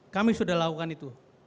kami sudah lakukan itu